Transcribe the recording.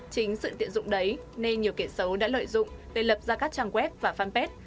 chính sự tiện dụng đấy nên nhiều kẻ xấu đã lợi dụng để lập ra các trang web và fanpage